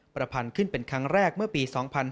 ประพันธ์ขึ้นเป็นครั้งแรกเมื่อปี๒๕๕๙